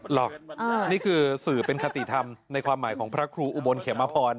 นี่คือสื่อเป็นคติธรรมในความหมายของพระครูอุบลเขมพร